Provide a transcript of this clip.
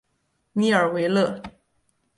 米尔维勒。